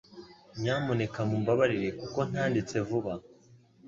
Nyamuneka mumbabarire kuko ntanditse vuba